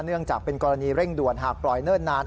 เนื่องจากเป็นกรณีเร่งด่วนหากปล่อยเนิ่นนาน